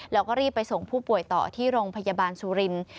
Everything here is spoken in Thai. แล้วก็รีบไปส่งผู้ป่วยต่อที่โรงพยาบาลสุรินทร์